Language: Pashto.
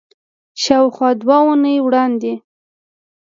شاوخوا دوه اونۍ وړاندې